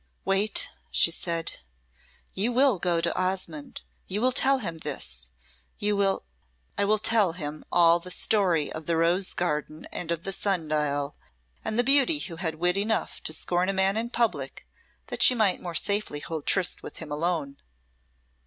"Wait," she said. "You will go to Osmonde, you will tell him this, you will " "I will tell him all the story of the rose garden and of the sun dial, and the beauty who had wit enough to scorn a man in public that she might more safely hold tryst with him alone.